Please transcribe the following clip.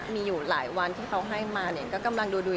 มีอยู่หลายวันที่เขาให้มาเนี่ยก็กำลังดูอยู่